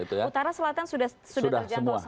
utara selatan sudah terjangkau